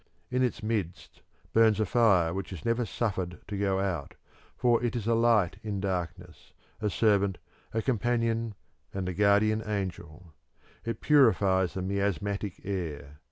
In its midst burns a fire which is never suffered to go out, for it is a light in darkness, a servant, a companion, and a guardian angel; it purifies the miasmatic air.